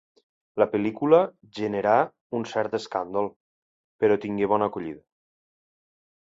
La pel·lícula generà un cert escàndol, però tingué bona acollida.